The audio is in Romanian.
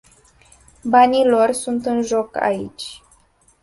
Banii lor sunt în joc aici.